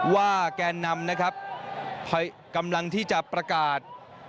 แกนนำนะครับกำลังที่จะประกาศ